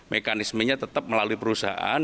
mekanismenya tetap melalui perusahaan